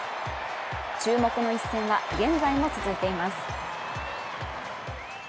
注目の一戦は現在も続いています。